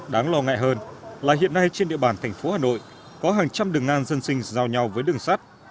đáng lo ngại hơn là hiện nay trên địa bàn thành phố hà nội có hàng trăm đường ngang dân sinh giao nhau với đường sắt